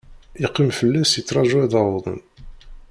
Yeqqim fell-as yettraju ad d-awḍen.